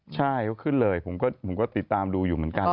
ใช่ก็ขึ้นเลยผมก็ติดตามดูอยู่เหมือนกัน